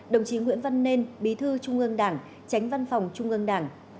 đồng chí nguyễn văn nên bí thư trung ương đảng tránh văn phòng trung ương đảng